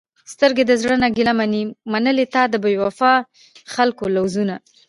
سترګې د زړه نه ګېله منې، منلې تا د بې وفاء خلکو لوظونه